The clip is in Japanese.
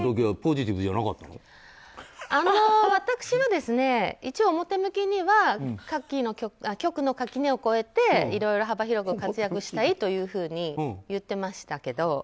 私は一応、表向きには局の垣根を越えていろいろ幅広く活躍したいと言ってましたけど。